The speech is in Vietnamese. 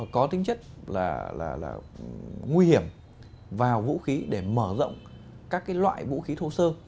có tính chất là nguy hiểm vào vũ khí để mở rộng các loại vũ khí thô sơ